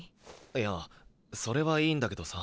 いやそれはいいんだけどさ。